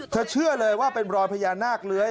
เชื่อเลยว่าเป็นรอยพญานาคเลื้อย